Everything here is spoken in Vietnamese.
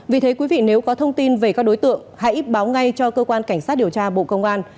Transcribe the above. vì thế quý vị nếu có thông tin về các đối tượng hãy báo ngay cho cơ quan cảnh sát điều tra bộ công an